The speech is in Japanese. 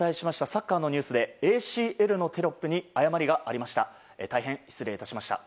サッカーのニュースでＡＣＬのテロップに誤りがありました。